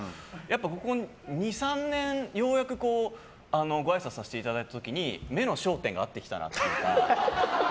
ここ２３年ようやくごあいさつさせていただいた時に目の焦点が合ってきたなというか。